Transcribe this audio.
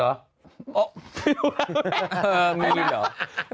เออมีหรอ